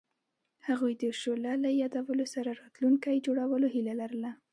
هغوی د شعله له یادونو سره راتلونکی جوړولو هیله لرله.